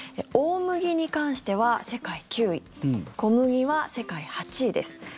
大麦に関しては世界９位小麦は世界８位です。